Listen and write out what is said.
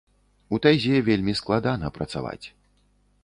У тайзе вельмі складана працаваць.